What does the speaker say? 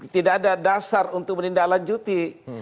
tidak ada dasar untuk menindaklanjuti